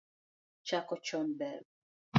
Chako chon ber